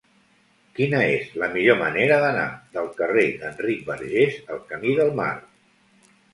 Quina és la millor manera d'anar del carrer d'Enric Bargés al camí del Mar?